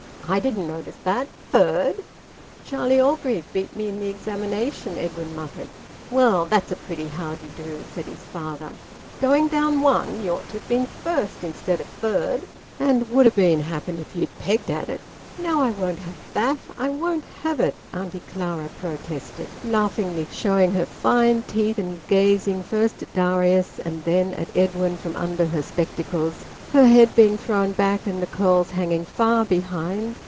"I didn't notice that. Third?" "Charlie Orgreave beat me in the examination," Edwin muttered. "Well, that's a pretty how d'ye do!" said his father. "Going down one! Ye ought to ha' been first instead o' third. And would ha' been, happen, if ye'd pegged at it." "Now I won't have that! I won't have it!" Auntie Clara protested, laughingly showing her fine teeth and gazing first at Darius, and then at Edwin, from under her spectacles, her head being thrown back and the curls hanging far behind.